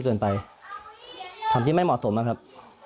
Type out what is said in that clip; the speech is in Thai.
จริงไม่เหมาะสมนะครับ